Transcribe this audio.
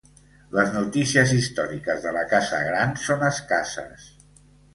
Les notícies històriques de la Casa Gran són escasses.